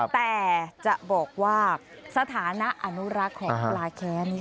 แต่จะบอกว่าสถานะอนุรักษ์ของปลาแค้น